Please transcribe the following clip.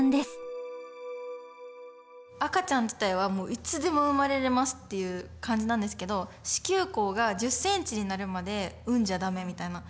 赤ちゃん自体はいつでも産まれれますっていう感じなんですけど子宮口が１０センチになるまで産んじゃ駄目みたいな。